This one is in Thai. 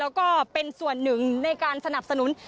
แล้วก็เป็นส่วนหนึ่งในการสนับสนุน